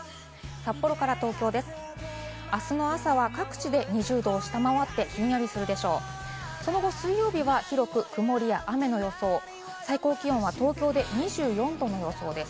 札幌から東京です。